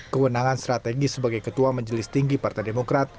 kewenangan strategis sebagai ketua majelis tinggi partai demokrat